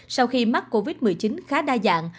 sau khi mắc covid một mươi chín khá đa dạng